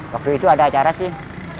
waktu itu ada acara sih